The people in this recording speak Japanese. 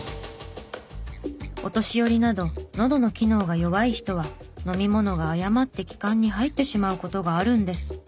お年寄りなどのどの機能が弱い人は飲み物が誤って気管に入ってしまう事があるんです。